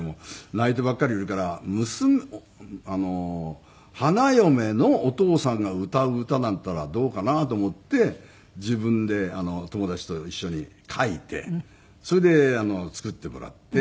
泣いてばっかりいるから娘花嫁のお父さんが歌う歌なんていったらどうかな？と思って自分で友達と一緒に書いてそれで作ってもらって。